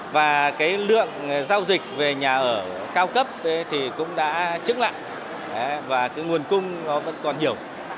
về nhà ở cao cấp thì cũng đã chứng lại và nguồn cung vẫn còn nhiều